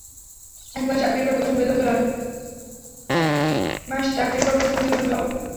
একমাস চাকরির পর প্রথম বেতন পেলাম!